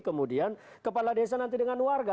kemudian kepala desa nanti dengan warga